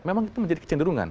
memang itu menjadi kecenderungan